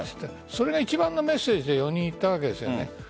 それが一番のメッセージで４人が言ったわけです。